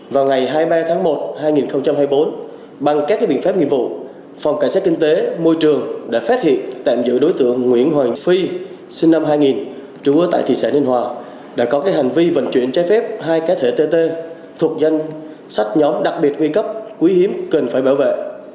vào ngày hai mươi ba tháng một hai nghìn hai mươi bốn bằng các biện pháp nghiệp vụ phòng cảnh sát kinh tế môi trường đã phát hiện tạm giữ đối tượng nguyễn hoàng phi sinh năm hai nghìn trú ở tại thị xã ninh hòa đã có hành vi vận chuyển trái phép hai cá thể tt thuộc danh sách nhóm đặc biệt nguy cấp quý hiếm cần phải bảo vệ